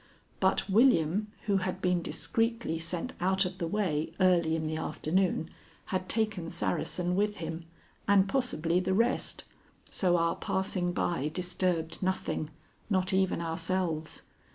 But William, who had been discreetly sent out of the way early in the afternoon, had taken Saracen with him, and possibly the rest, so our passing by disturbed nothing, not even ourselves.